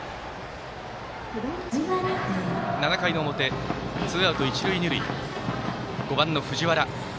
７回表、ツーアウト、一塁二塁で５番の藤原。